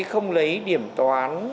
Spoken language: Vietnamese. không lấy điểm toán